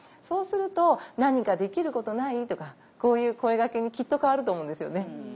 そうすると「何かできることない？」とかこういう声がけにきっと変わると思うんですよね。